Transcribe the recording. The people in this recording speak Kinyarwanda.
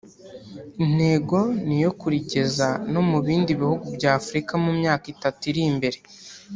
Intego ni iyo kurigeza no mu bindi bihugu bya Afurika mu myaka itatu iri imbere